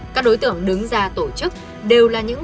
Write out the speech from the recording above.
các đối tượng đứng ra tổ chức đều là những